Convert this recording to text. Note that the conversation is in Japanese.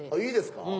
いいですか？